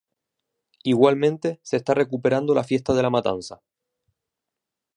Igualmente se está recuperando la fiesta de "La Matanza"